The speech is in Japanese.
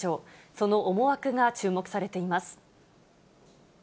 その思惑が注目されています。